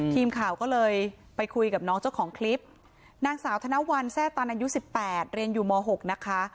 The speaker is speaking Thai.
ทีมข่าวก็เลยไปคุยกับน้องเจ้าของคลิปนางสาวธนวัลแซ่ตันอายุ๑๘เรียนอยู่ม๖นะคะ